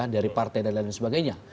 dari partai dan lain lain sebagainya